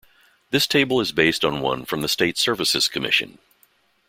This table is based on one from the State Services Commission.